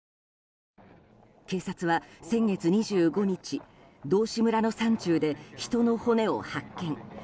警察は、先月２５日道志村の山中で人の骨を発見。